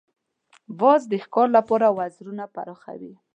باز د ښکار لپاره وزرونه پراخوي